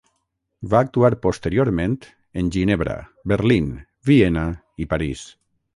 Va actuar posteriorment en Ginebra, Berlín, Viena i París.